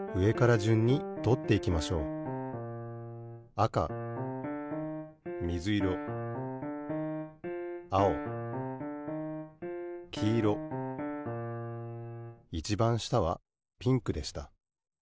あかみずいろあおきいろいちばん下はピンクでした。